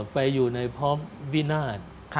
ไปอยู่ในพร้อมวินาศ